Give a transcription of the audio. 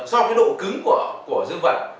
do cái độ cứng của dương vật